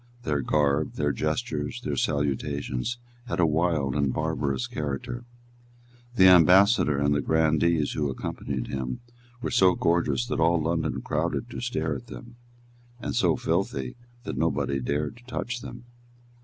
Their garb, their gestures, their salutations, had a wild and barbarous character. The ambassador and the grandees who accompanied him were so gorgeous that all London crowded to stare at them, and so filthy that nobody dared to touch them.